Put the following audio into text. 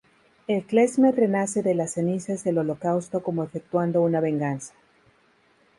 El klezmer renace de las cenizas del Holocausto como efectuando una venganza.